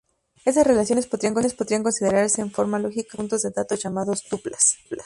Estas relaciones podrían considerarse en forma lógica como conjuntos de datos llamados tuplas.